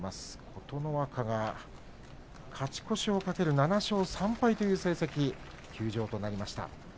琴ノ若、勝ち越しを懸ける７勝３敗という成績でした。